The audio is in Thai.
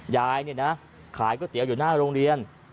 ยายเนี่ยนะขายก๋วยเตี๋ยวอยู่หน้าโรงเรียน